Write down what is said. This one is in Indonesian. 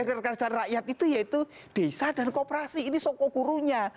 keras sekali rakyat itu yaitu desa dan kooperasi ini sokokurunya